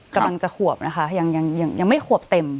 กำลังจะขวบนะคะยังไม่ขวบเต็ม